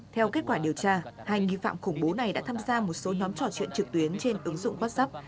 theo kết quả điều tra hai nghi phạm khủng bố này đã tham gia một số nhóm trò chuyện trực tuyến trên ứng dụng whatsapp